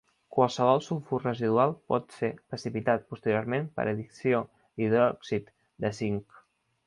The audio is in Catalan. Qualsevol sulfur residual pot ser precipitat posteriorment per addició d'hidròxid de zinc.